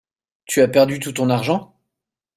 Tu as perdu tout ton argent ?